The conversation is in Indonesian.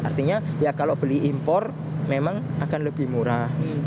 artinya ya kalau beli impor memang akan lebih murah